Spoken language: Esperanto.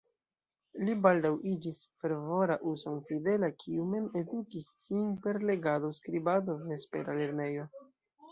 Li baldaŭ iĝis fervora uson-fidela, kiu mem edukis sin per legado, skribado, vespera lernejo.